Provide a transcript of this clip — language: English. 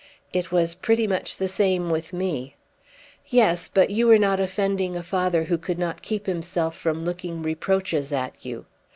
"It was pretty much the same with me." "Yes; but you were not offending a father who could not keep himself from looking reproaches at you.